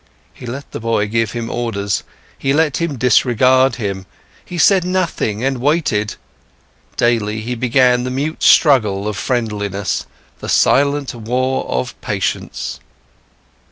He let the boy give him orders, he let him disregard him. He said nothing and waited; daily, he began the mute struggle of friendliness, the silent war of patience.